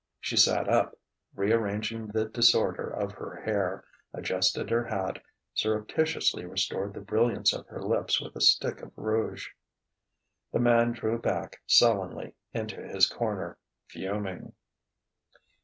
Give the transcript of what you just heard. She sat up, rearranging the disorder of her hair, adjusted her hat, surreptitiously restored the brilliance of her lips with a stick of rouge. The man drew back sullenly into his corner, fuming....